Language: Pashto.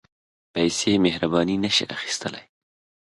پېسې مهرباني نه شي اخیستلای.